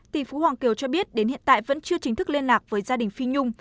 tỷ phú hoàng kiều cho biết đến hiện tại vẫn chưa chính thức liên lạc với gia đình phi nhung